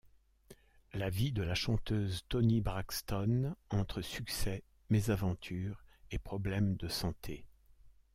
La vie de la chanteuse Toni Braxton, entre succès, mésaventures et problèmes de santé.